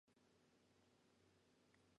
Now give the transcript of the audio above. Lexical definitions are either true or false.